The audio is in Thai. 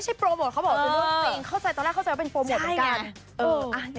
ตอนแรกเข้าใจว่าเป็นโปรโมทเหมือนกัน